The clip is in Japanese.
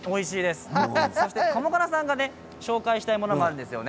そして加茂加奈さんが紹介したいものがあるんですよね。